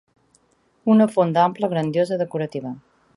Una fonda ampla, grandiosa, decorativa